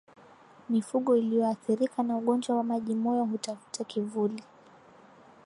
Mifugo iliyoathirika na ugonjwa wa majimoyo hutafuta kivuli